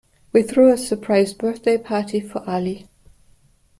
We threw a surprise birthday party for Ali.